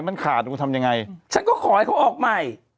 มันขาดกูทำยังไงฉันก็ขอให้เขาออกใหม่